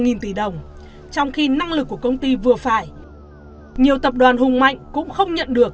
nghìn tỷ đồng trong khi năng lực của công ty vừa phải nhiều tập đoàn hùng mạnh cũng không nhận được